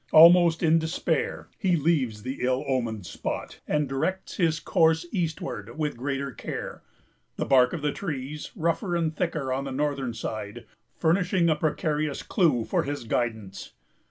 Almost in despair, he leaves the ill omened spot, and directs his course eastward with greater care; the bark of the trees, rougher and thicker on the northern side, furnishing a precarious clew for his guidance.